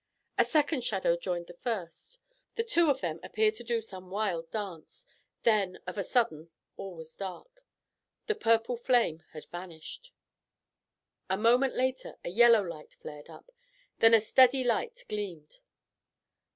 A second shadow joined the first. The two of them appeared to do some wild dance. Then, of a sudden, all was dark. The purple flame had vanished. A moment later a yellow light flared up. Then a steady light gleamed.